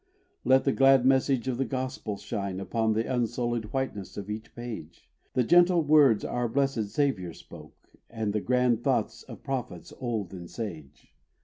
Let the glad message of the Gospel shine Upon the unsullied whiteness of each page, The gentle words our blessèd Saviour spoke, And the grand thoughts of prophets old and sage.